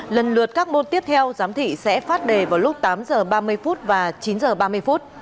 lần lượt các môn tiếp theo giám thị sẽ phát đề vào lúc tám h ba mươi phút và chín h ba mươi phút